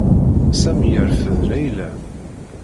Sami yerfed Layla.